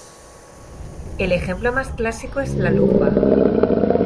El ejemplo más clásico es la lupa.